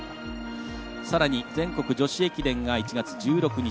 全国女子駅伝が１月１６日。